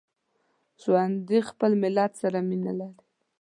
ژوندي خپل ملت سره مینه لري